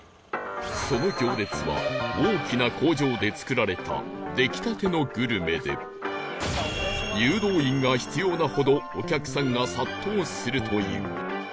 その行列は大きな工場で作られた出来たてのグルメで誘導員が必要なほどお客さんが殺到するという